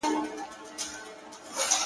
o کږدۍ پر خپلو مراندو ولاړه ده٫